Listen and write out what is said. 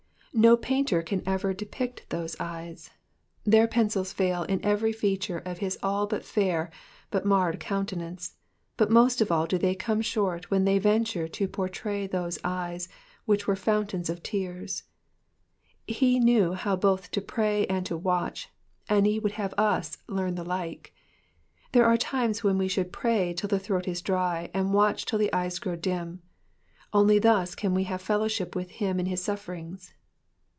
No painter can ever depict those eyes ; Digitized by VjOOQIC 260 KXPOsmovB of thb psalms. thehr pencils fftil in cwerj feature of his all but fair but all marred cooBteBaaee, but most of all do they come short when they Tentnre to poortray thoae eyes which were foaotainB of tears. He knew how both to pray and to watch, iad he would hare ns learn the like. There are times when we should pray till the throat is dry, and watch till the eyes grow dim. Only thus can we have fel lowship with him in his sulferingB.